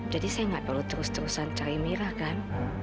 jadi saya gak perlu terus terusan cari mira kan